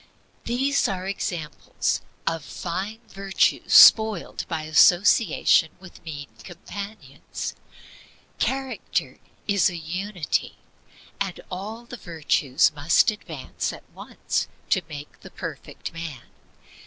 These are examples of fine virtues spoiled by association with mean companions. Character is a unity, and all the virtues must advance together to make the perfect man.